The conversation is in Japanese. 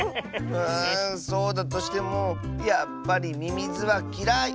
うんそうだとしてもやっぱりミミズはきらい！